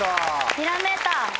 ひらめいた！